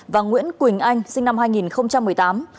và nguyễn quỳnh anh sinh năm hai nghìn một mươi tám